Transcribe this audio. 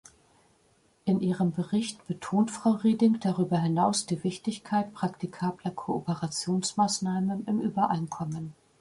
In ihrem Bericht betont Frau Reding darüber hinaus die Wichtigkeit praktikabler Kooperationsmaßnahmen im Übereinkommen.